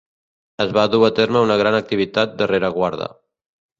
Es va dur a terme una gran activitat de rereguarda.